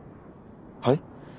はい？